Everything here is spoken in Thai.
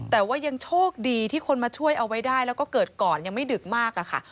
แต่ว่ายังโชคดีที่คนมาช่วยเอาไว้ได้แล้วก็เกิดก่อนยังไม่ดึกมากอะค่ะ